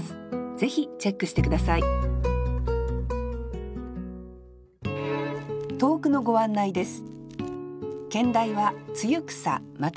ぜひチェックして下さい投句のご案内です